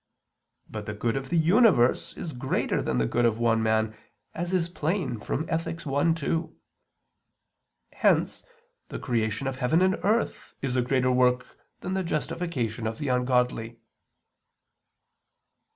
But the good of the universe is greater than the good of one man, as is plain from Ethic. i, 2. Hence the creation of heaven and earth is a greater work than the justification of the ungodly.